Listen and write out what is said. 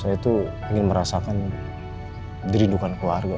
saya tuh ingin merasakan dirindukan keluarga